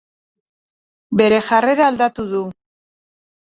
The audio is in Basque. Bere jarrera aldatu du.